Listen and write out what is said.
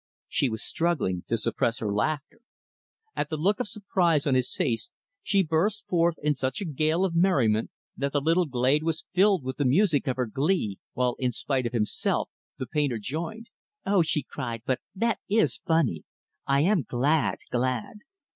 She was struggling to suppress her laughter. At the look of surprise on his face, she burst forth in such a gale of merriment that the little glade was filled with the music of her glee; while, in spite of himself, the painter joined. "Oh!" she cried, "but that is funny! I am glad, glad!"